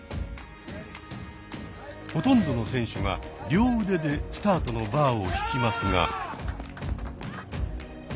ほとんどの選手が両腕でスタートのバーを引きますが。